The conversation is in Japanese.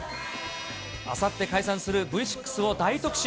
あさって解散するＶ６を大特集。